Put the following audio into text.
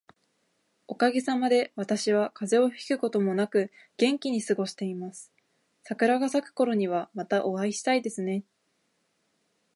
おかげさまで、私は風邪をひくこともなく元気に過ごしています。桜が咲くころには、またお会いしたいですね。